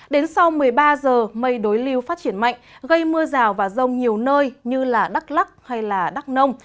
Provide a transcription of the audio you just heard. đến sau một mươi ba giờ mây đối lưu phát triển mạnh gây mưa rào và rông nhiều nơi như đắk lắc hay đắk nông